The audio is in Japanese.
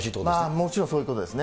もちろんそういうことですね。